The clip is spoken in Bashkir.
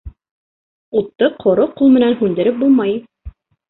Утты ҡоро ҡул менән һүндереп булмай.